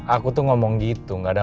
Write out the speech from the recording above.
aku tuh ngomong gitu gak ada